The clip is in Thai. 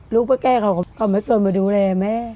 ลูกป๊าแก่เขาก็ไม่เคยมาดูแลแม่